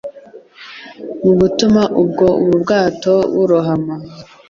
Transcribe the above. mu gutuma ubwo ubu bwato burohama